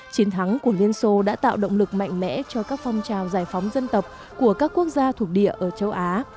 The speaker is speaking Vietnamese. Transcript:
chiến thắng của liên xô đã tạo động lực mạnh mẽ cho các phong trào giải phóng dân tộc của các quốc gia thuộc địa ở châu á